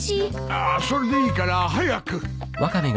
あそれでいいから早く。